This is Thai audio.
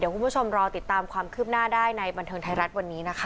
คุณผู้ชมรอติดตามความคืบหน้าได้ในบันเทิงไทยรัฐวันนี้นะคะ